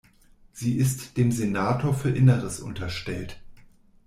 Sie ist dem Senator für Inneres unterstellt.